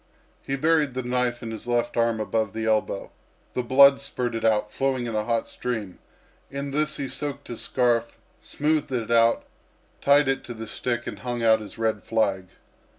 He buried the knife in his left arm above the elbow; the blood spurted out, flowing in a hot stream. In this he soaked his scarf, smoothed it out, tied it to the stick and hung out his red flag.